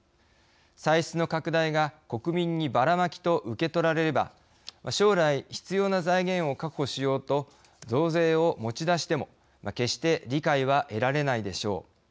歳出の拡大が国民にバラマキと受け取られれば将来必要な財源を確保しようと増税を持ち出しても決して理解は得られないでしょう。